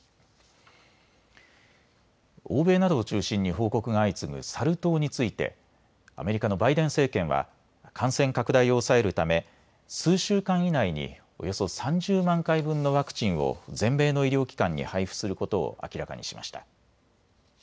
欧米などを中心に報告が相次ぐサル痘についてアメリカのバイデン政権は感染拡大を抑えるため数週間以内におよそ３０万回分のワクチンを全米の医療機関に配布することを明らかにしました。